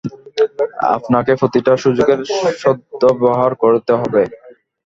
আপনাকে প্রতিটা সুযোগের সদ্ব্যবহার করতে হবে।